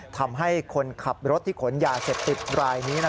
ทำให้คนขับรถที่ขนยาเสพติดรายนี้